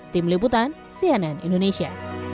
tim liputan cnn indonesia